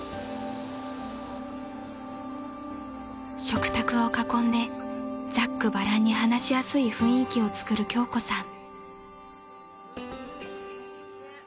［食卓を囲んでざっくばらんに話しやすい雰囲気をつくる京子さん］